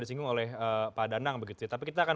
disinggung oleh pak danang begitu ya tapi kita akan